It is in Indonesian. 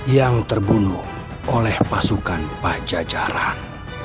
yang terbunuh oleh pasukan pajajaran